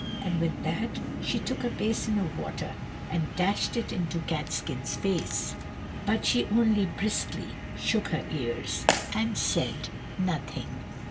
and with that she took a basin of water and dashed it into Catskin's face. But she only briskly shook her ears, and said nothing.